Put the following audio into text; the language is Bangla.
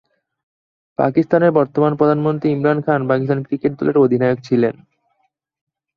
পাকিস্তানের বর্তমান প্রধানমন্ত্রী ইমরান খান পাকিস্তান ক্রিকেট দলের অধিনায়ক ছিলেন।